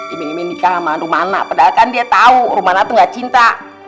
ime ime nikah sama rumah anak padahal kan dia tahu rumah anak tuh gak cinta